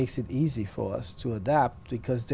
tôi mong muốn làm điều đó